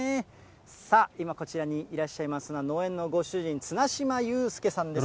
さあ、今こちらにいらっしゃいますのは農園のご主人、綱嶋祐介さんです。